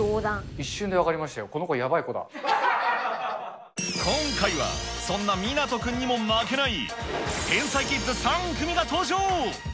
一瞬で分かりましたよ、今回は、そんな湊君にも負けない、天才キッズ３組が登場。